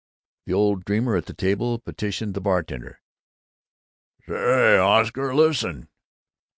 The old dreamer at the table petitioned the bartender, "Say, Oscar, listen."